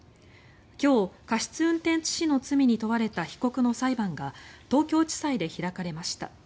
今日、過失運転致死の罪に問われた被告の裁判が東京地裁で開かれました。